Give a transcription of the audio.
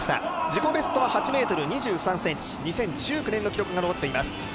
自己ベストは８ｍ２３ｃｍ２０１９年の記録が残っています。